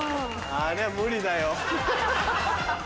ありゃ無理だよ。